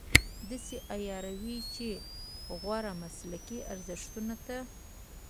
داسې عیاروي چې غوره مسلکي ارزښتونو ته.